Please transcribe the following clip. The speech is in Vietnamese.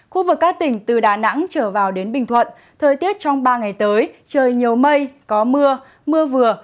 khu vực các tỉnh từ đà nẵng trở vào đến bình thuận thời tiết trong ba ngày tới trời nhiều mây có mưa mưa vừa